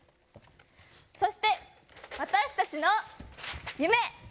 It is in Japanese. そして私たちの夢！